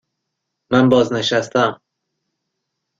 من بازنشسته هستم.